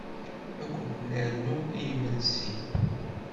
Ad kunt-nernu imensi?